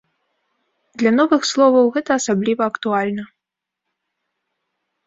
Для новых словаў гэта асабліва актуальна.